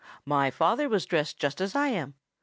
My father was dressed just as I am.